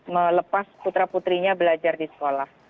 melepas putra putrinya belajar di sekolah